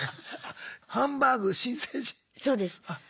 そうです。